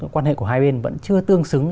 quan hệ của hai bên vẫn chưa tương xứng